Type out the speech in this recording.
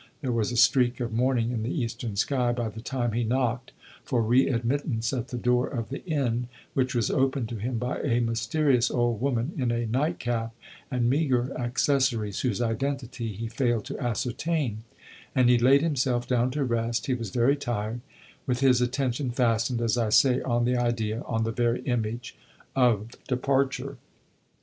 There was a streak of morning in the eastern sky by the time he knocked for re admittance at the door of the inn, which was opened to him by a mysterious old woman in a nightcap and meagre accessories, whose identity he failed to ascertain; and he laid himself down to rest he was very tired with his attention fastened, as I say, on the idea on the very image of departure.